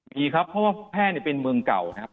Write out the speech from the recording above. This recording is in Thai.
มีครับเพราะว่าแพร่เป็นเมืองเก่านะครับ